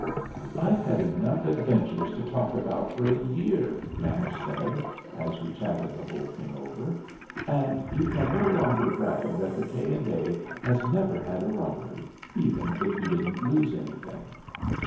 "I've had enough adventures to talk about for a year," Madge said, as we chatted the whole thing over, "and you can no longer brag that the K. & A. has never had a robbery, even if you didn't lose anything."